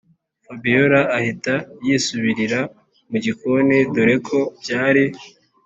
fabiora ahita yisubirira mugikoni dore ko byari